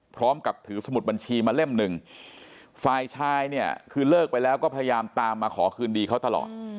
พร้อมกับถือสมุดบัญชีมาเล่มหนึ่งฝ่ายชายเนี่ยคือเลิกไปแล้วก็พยายามตามมาขอคืนดีเขาตลอด